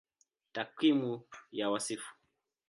Takwimu ya Wasifu